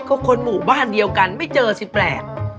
ก็คนหมู่บ้านเดียวกันไม่เจอสิแปลก